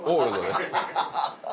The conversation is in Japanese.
ハハハハハ。